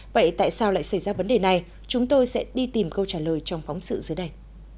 vậy tại sao lại xảy ra vấn đề này chúng tôi sẽ đi tìm câu trả lời trong phóng sự dưới đây